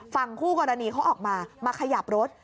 ฝั่งคู่กรณีเขาออกมามาขยับรถ